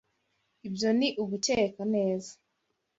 Ibyo ni ugukeka neza.